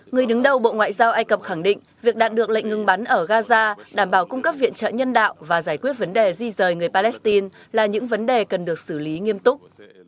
người đứng đầu bộ ngoại giao ai cập khẳng định việc đạt được lệnh ngừng bắn ở gaza đảm bảo cung cấp viện trợ nhân đạo và giải quyết vấn đề di rời người palestine là những vấn đề cần được xử lý nghiêm túc